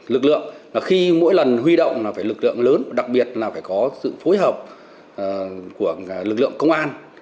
lực lượng khi mỗi lần huy động phải lực lượng lớn đặc biệt là phải có sự phối hợp của lực lượng công an